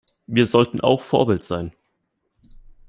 Wir sollten auch Vorbild sein.